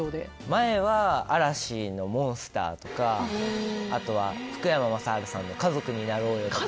前は嵐の「Ｍｏｎｓｔｅｒ」とかあとは福山雅治さんの「家族になろうよ」とか。